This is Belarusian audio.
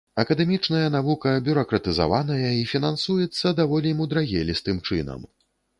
Акадэмічная навука бюракратызаваная і фінансуецца даволі мудрагелістым чынам.